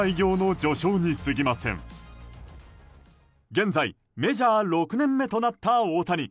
現在メジャー６年目となった大谷。